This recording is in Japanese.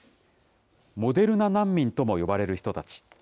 モデルナ難民とも呼ばれる人たち。